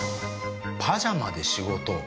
パジャマで仕事。